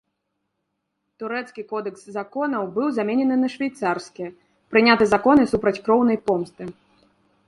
Турэцкі кодэкс законаў быў заменены на швейцарскі, прыняты законы супраць кроўнай помсты.